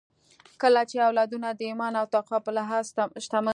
کله چې اولادونه د ايمان او تقوی په لحاظ شتمن سي